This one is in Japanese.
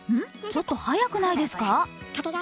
ちょっと速くないですか？